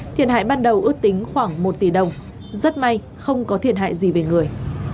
thiệt hại ban đầu ước tính khoảng một tỷ đồng rất may không có thiệt hại gì về người